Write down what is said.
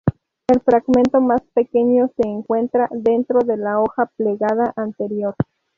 El fragmento más pequeño se encuentra dentro de la hoja plegada anterior.